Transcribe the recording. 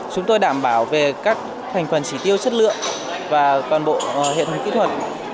chúng tôi đảm bảo về các thành phần chỉ tiêu chất lượng và toàn bộ hiện hình kỹ thuật